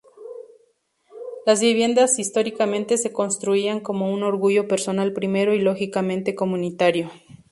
Las viviendas históricamente se construían como un orgullo personal primero y lógicamente comunitario.